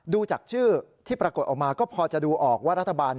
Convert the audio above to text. ดูจากชื่อที่ปรากฏออกมาก็พอจะดูออกว่ารัฐบาล